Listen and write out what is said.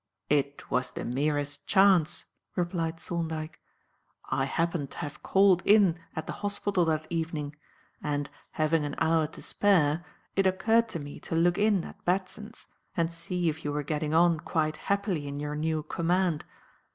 "It was the merest chance," replied Thorndyke. "I happened to have called in at the hospital that evening, and, having an hour to spare, it occurred to me to look in at Batson's and see if you were getting on quite happily in your new command.